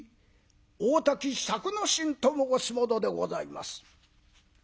大多喜作之進と申す者でございます」。